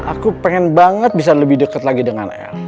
aku pengen banget bisa lebih deket lagi dengan el